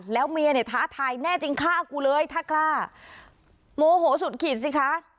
แล้วเมียเนี่ยท้าทายแน่จริงฆ่ากูเลยถ้ากล้าโมโหสุดขีดสิคะ